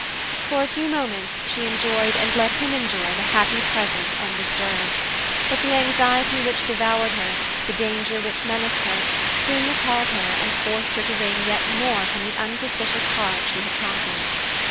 For a few moments she enjoyed and let him enjoy the happy present, undisturbed. But the anxiety which devoured her, the danger which menaced her, soon recalled her, and forced her to wring yet more from the unsuspicious heart she had conquered.